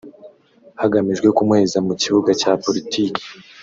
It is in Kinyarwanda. hagamijwe kumuheza mu kibuga cya politiki